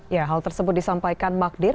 ya hal tersebut disampaikan magdir